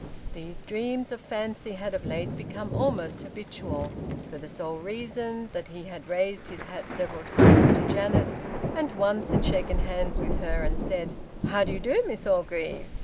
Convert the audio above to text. These dreams of fancy had of late become almost habitual, for the sole reason that he had raised his hat several times to Janet, and once had shaken hands with her and said, "How d'you do, Miss Orgreave?"